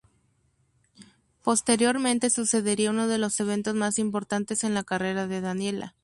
Posteriormente sucedería uno de los eventos más importantes en la carrera de Daniela.